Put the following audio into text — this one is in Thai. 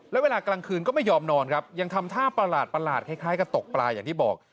แล้วเวลากลางคืนก็ไม่ยอมนอนครับยังทำท่าประหลาดคล้ายกับตกปลาอย่างที่บอก